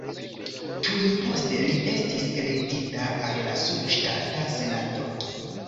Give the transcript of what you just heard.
Tuj poste li estis elektita al la subŝtata senato.